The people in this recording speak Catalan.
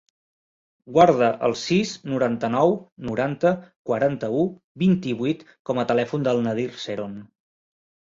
Guarda el sis, noranta-nou, noranta, quaranta-u, vint-i-vuit com a telèfon del Nadir Ceron.